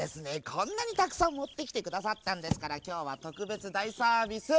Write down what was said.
こんなにたくさんもってきてくださったんですからきょうはとくべつだいサービス。